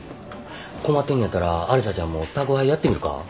困ってんのやったらアリサちゃんも宅配やってみるか？